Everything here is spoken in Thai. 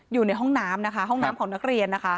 อยู่ในห้องน้ำนะคะห้องน้ำของนักเรียนนะคะ